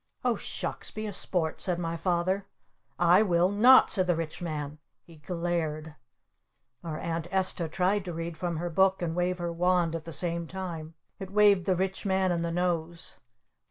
"Oh Shucks! Be a Sport!" said my Father. "I will not!" said the Rich Man. He glared. Our Aunt Esta tried to read from her book and wave her wand at the same time. It waved the Rich Man in the nose.